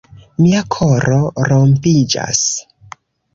Mia koro rompiĝas.